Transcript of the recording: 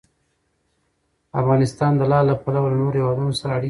افغانستان د لعل له پلوه له نورو هېوادونو سره اړیکې لري.